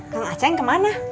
kan aca yang kemana